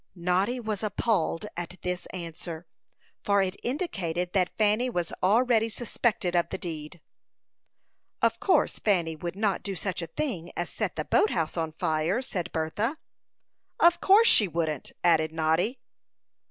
Noddy was appalled at this answer, for it indicated that Fanny was already suspected of the deed. "Of course Fanny would not do such a thing as set the boat house on fire," said Bertha. "Of course she wouldn't," added Noddy.